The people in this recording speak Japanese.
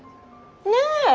ねえ。